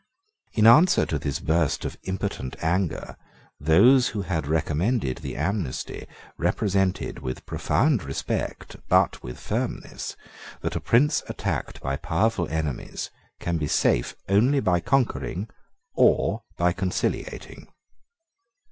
In answer to this burst of impotent anger, those who had recommended the amnesty represented with profound respect, but with firmness, that a prince attacked by powerful enemies can be safe only by conquering or by conciliating.